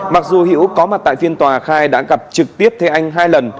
mặc dù hữu có mặt tại phiên tòa khai đã gặp trực tiếp thê anh hai lần